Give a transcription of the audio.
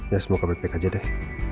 ya semoga bebek bebek aja deh